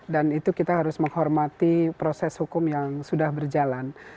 dan itu kita harus menghormati proses hukum yang sudah berjalan